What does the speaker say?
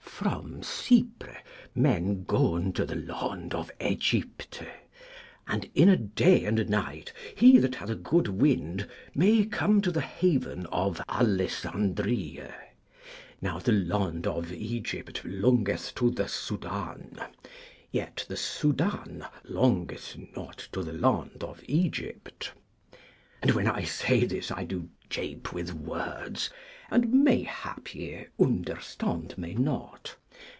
From Cypre, Men gon to the Lond of Egypte, and in a Day and a Night he that hath a good wind may come to the Haven of Alessandrie. Now the Lond of Egypt longeth to the Soudan, yet the Soudan longeth not to the Lond of Egypt. And when I say this, I do jape with words, and may hap ye understond me not.